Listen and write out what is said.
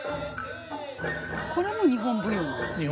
これも日本舞踊なんですよね。